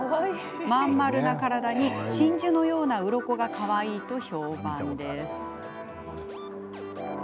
真ん丸な体に真珠のようなうろこがかわいいと評判です。